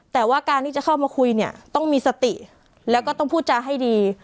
แต่ว่าการที่จะเข้ามาคุยเนี่ยต้องมีสติแล้วก็ต้องพูดจาให้ดี